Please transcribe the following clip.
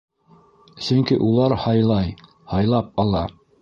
Сөнки улар һайлай, һайлап ала.